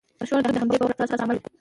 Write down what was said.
لاشعور د همدې باور پر اساس عمل کوي.